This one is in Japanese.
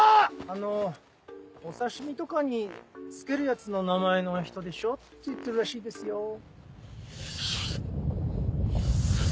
「あのお刺し身とかにつけるやつの名前の人でしょ」って言ってるらしいですよ。